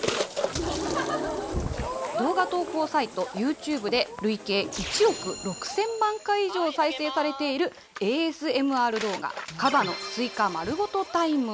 動画投稿サイト、ユーチューブで累計１億６０００万回以上再生されているＡＳＭＲ動画、カバのスイカまるごとタイム。